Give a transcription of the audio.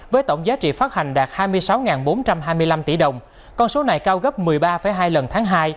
với tổng giá trị phát hành đạt hai mươi sáu bốn trăm hai mươi năm tỷ đồng con số này cao gấp một mươi ba hai lần tháng hai